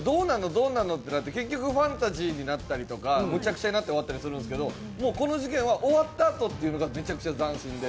どうなるの？ってなって、結局、ファンタジーになったりとかむちゃくちゃになって終わったりするんですけどこの事件は終わったあとというのがめちゃくちゃ斬新で。